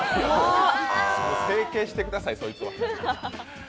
整形してください、そいつは。